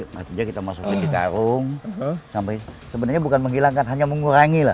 maksudnya kita masukin di karung sampai sebenarnya bukan menghilangkan hanya mengurangi lah